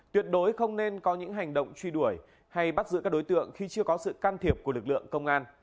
tuyệt đối không nên có những hành động truy đuổi hay bắt giữ các đối tượng khi chưa có sự can thiệp của lực lượng công an